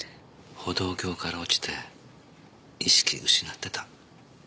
歩道橋から落ちて意識失ってた。